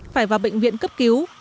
phải vào bệnh viện cấp cứu